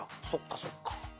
そっかそっか」